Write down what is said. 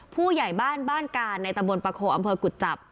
ผู้ใหญ่บ้านบ้านการในตะบนปะโคอำเภอกุจจับ